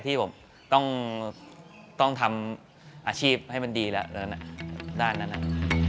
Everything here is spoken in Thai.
ที่ผมต้องทำอาชีพให้มันดีแล้วเริ่มตั้งแต่ด้านนั้น